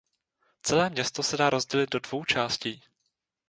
Celé město se dá rozdělit do dvou částí.